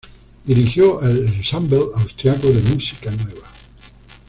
Dirigió el Ensemble Austriaco de Música Nueva.